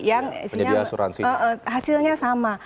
asuransi yang hasilnya sama